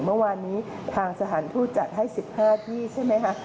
เมื่อวานนี้ทางสถานทูตจัดให้๑๕ที่ใช่ไหมคะ